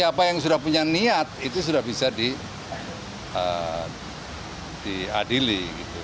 siapa yang sudah punya niat itu sudah bisa diadili